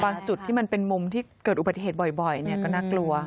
จุดที่มันเป็นมุมที่เกิดอุบัติเหตุบ่อยก็น่ากลัว